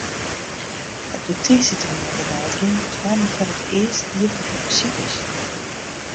Op de tiisdeitemoarn dêrnei giene de doarren foar it earst iepen foar besikers.